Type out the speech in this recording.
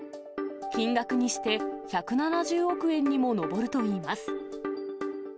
金額にして１７０億円にも上るといいます。